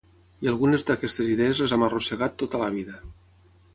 I algunes d'aquestes idees les hem arrossegat tota la vida